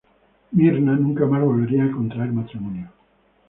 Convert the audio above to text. Myrna nunca más volvería a contraer matrimonio.